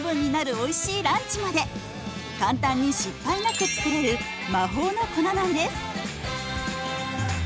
おいしいランチまで簡単に失敗なく作れる魔法の粉なんです。